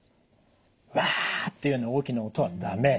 ウワっていうような大きな音は駄目。